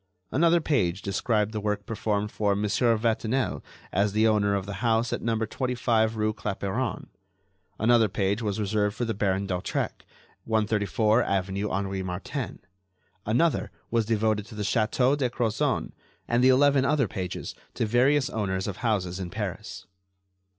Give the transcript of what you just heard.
Another page described the work performed for Mon. Vatinel as owner of the house at No. 25 rue Clapeyron. Another page was reserved for the Baron d'Hautrec, 134 avenue Henri Martin; another was devoted to the Château de Crozon, and the eleven other pages to various owners of houses in Paris.